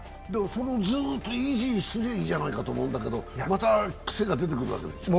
そのずーっと維持すればいいじゃないかと思うんだけど、また癖が出てくるわけでしょう？